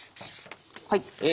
はい。